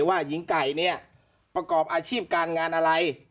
ว่าหญิงไก่เนี่ยประกอบอาชีพการงานอะไร